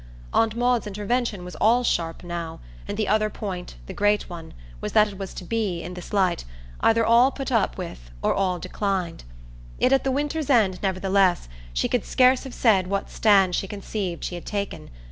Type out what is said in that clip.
Aunt Maud's intervention was all sharp now, and the other point, the great one, was that it was to be, in this light, either all put up with or all declined. Yet at the winter's end, nevertheless, she could scarce have said what stand she conceived she had taken.